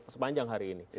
sepanjang hari ini